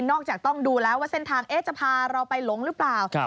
จากต้องดูแล้วว่าเส้นทางจะพาเราไปหลงหรือเปล่า